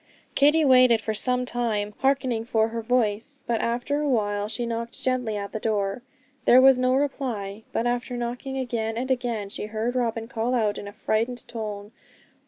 Kitty waited for some time, hearkening for her voice, but after a while she knocked gently at the door. There was no reply, but after knocking again and again she heard Robin call out in a frightened tone.